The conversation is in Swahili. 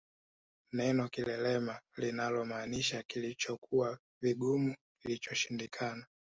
Neno kilelema linalomaanisha kilichokuwa vigumu kilichoshindikana